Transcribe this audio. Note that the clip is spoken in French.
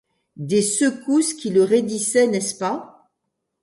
Des secousses qui le raidissaient, n'est-ce pas?